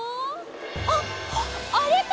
あっあれか！